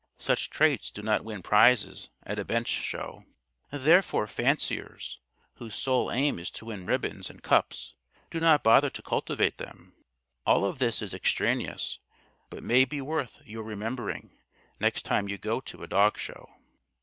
Such traits do not win prizes at a bench show. Therefore fanciers, whose sole aim is to win ribbons and cups, do not bother to cultivate them. (All of this is extraneous; but may be worth your remembering, next time you go to a dog show.)